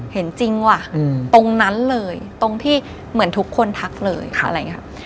เห็นจริงว่ะตรงนั้นเลยตรงที่เหมือนทุกคนทักเลยอะไรอย่างนี้